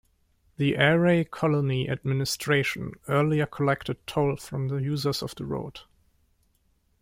The Aarey Colony administration earlier collected toll from the users of the road.